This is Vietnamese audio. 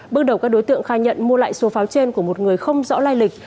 bước đầu các đối tượng khai nhận mua lại số pháo trên của một người không rõ lai lịch